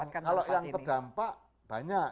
kalau yang terdampak banyak